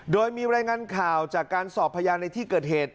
โดยมีรายงานข่าวจากการสอบพยานในที่เกิดเหตุ